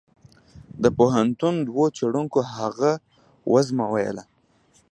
د پوهنتون دوو څېړونکو هغه وزمویله.